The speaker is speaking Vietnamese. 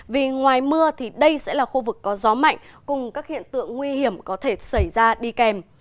vì ngoài mưa thì đây sẽ là khu vực có gió mạnh cùng các hiện tượng nguy hiểm có thể xảy ra đi kèm